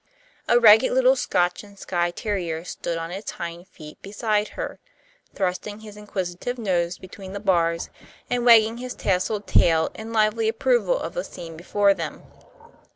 A ragged little Scotch and Skye terrier stood on its hind feet beside her, thrusting his inquisitive nose between the bars, and wagging his tasselled tail in lively approval of the scene before them.